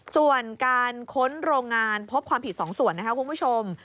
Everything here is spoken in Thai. ส่วนการค้นโรงงานพบความผิด๒ส่วนนะคะคุณผู้ชม